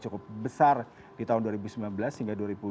cukup besar di tahun dua ribu sembilan belas hingga dua ribu dua puluh